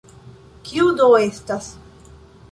Kiu do estas?